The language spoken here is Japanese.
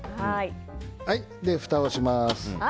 ふたをします。